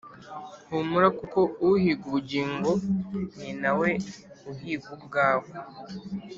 humura kuko uhiga ubugingo ninawe uhiga ubwawe